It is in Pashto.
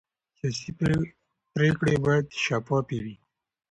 سیاسي پرېکړې باید شفافې وي